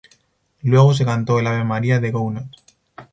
Luego se cantó el "Ave María" de Gounod.